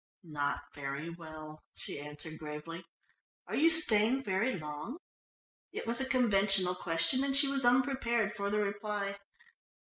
"Not very well," she answered gravely. "Are you staying very long?" It was a conventional question and she was unprepared for the reply.